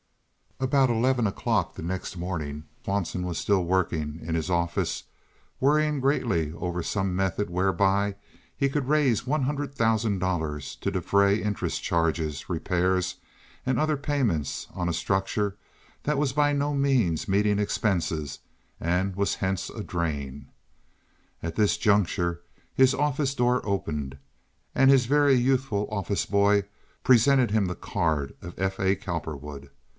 About eleven o'clock the next morning Swanson was still working in his office, worrying greatly over some method whereby he could raise one hundred thousand dollars to defray interest charges, repairs, and other payments, on a structure that was by no means meeting expenses and was hence a drain. At this juncture his office door opened, and his very youthful office boy presented him the card of F. A. Cowperwood.